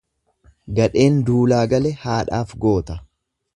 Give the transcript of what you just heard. Gadheen duulaa gale haadhaaf goota.